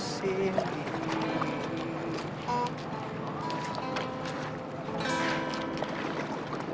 jangan lupa ya